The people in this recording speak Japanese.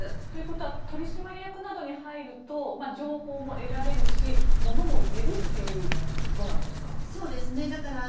ということは取締役などに入ると情報も得られるし、物も言えるということなんですか。